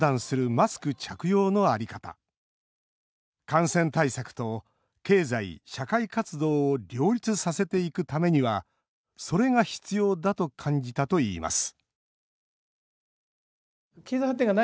感染対策と経済・社会活動を両立させていくためにはそれが必要だと感じたといいます